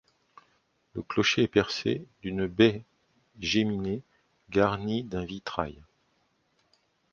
Le clocher est percé d'une baie géminée garni d'un vitrail.